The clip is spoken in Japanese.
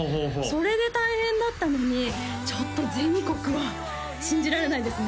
それで大変だったのにちょっと全国は信じられないですね